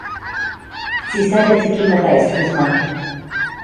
Zizare zikin bat haiz, Guzman.